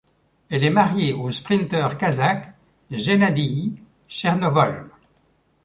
Elle est mariée au sprinteur kazakh Gennadiy Chernovol.